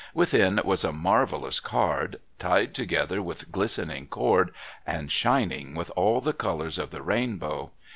Within was a marvellous card, tied together with glistening cord and shining with all the colours of the rainbow.